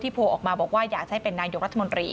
โพลออกมาบอกว่าอยากจะให้เป็นนายกรัฐมนตรี